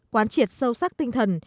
quán triệt sâu sắc tinh thần